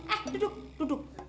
eh duduk duduk